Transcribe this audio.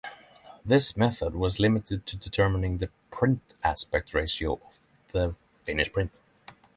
This method was limited to determining the print aspect ratio of the finished print.